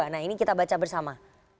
nah ini kita baca bersama